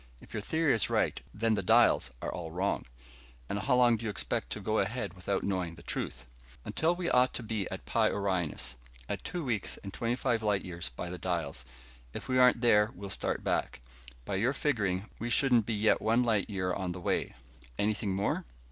If your theory is right, then the dials are all wrong." "And how long do you expect to go ahead without knowing the truth?" "Until we ought to be at Pi Orionis. At two weeks and twenty five light years by the dials, if we aren't there we'll start back. By your figuring, we shouldn't be yet one light year on the way. Anything more?"